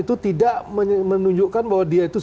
itu tidak menunjukkan bahwa dia itu